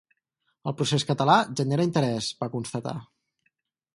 El procés català genera interès, va constatar.